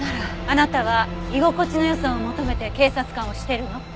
あなたは居心地の良さを求めて警察官をしてるの！？